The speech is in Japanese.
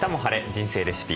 人生レシピ」。